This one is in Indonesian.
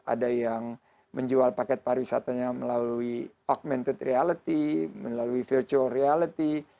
ada yang menjual paket pariwisatanya melalui augmented reality melalui virtual reality